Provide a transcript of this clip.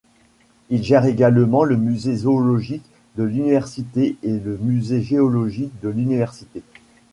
Il gère également le musée zoologique de l'université et le musée géologique de l'université.